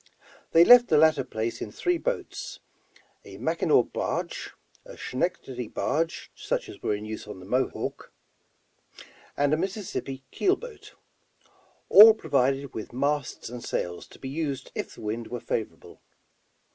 They left the latter place in three boats, a Mackinaw barge; a Schenectady barge such as were in use on the Mohawk ; and a Mississippi keel boat ; all provided vpith masts and sails to be used if the wind were favorable.